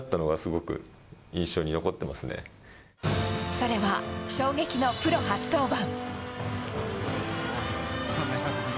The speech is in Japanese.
それは衝撃のプロ初登板。